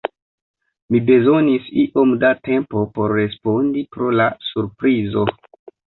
Mi bezonis iom da tempo por respondi pro la surprizo.